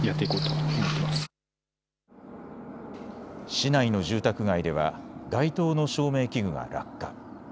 市内の住宅街では街灯の照明器具が落下。